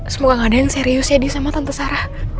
semoga nggak ada yang serius jadi sama tante sarah